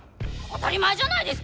当たり前じゃないですか！